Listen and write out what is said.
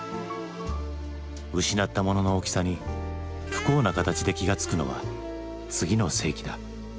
失ったものの大きさに不幸な形で気が付くのは次の世紀だ。